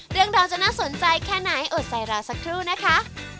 เรื่องเราจะน่าสนใจแค่ไหนอดใจรอสักครู่นะคะ